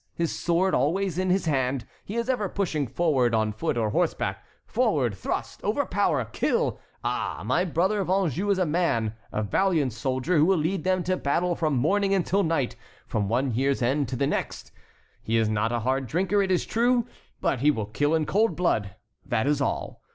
his sword always in his hand, he is ever pushing forward, on foot or horseback!—forward! thrust! overpower! kill! Ah! my brother of Anjou is a man, a valiant soldier, who will lead them to battle from morning until night, from one year's end to the next. He is not a hard drinker, it is true; but he will kill in cold blood. That is all.